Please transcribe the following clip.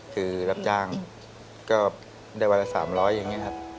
คือรับจ้างก็ได้วันละ๓๐๐อย่างนี้ครับ